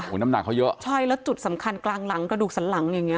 น้ำหนักเขาเยอะใช่แล้วจุดสำคัญกลางหลังกระดูกสันหลังอย่างเงี้